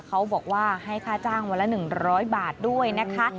เขาบอกว่าให้ค่าจ้างวันละ๑๐๐บาทด้วยนะคะ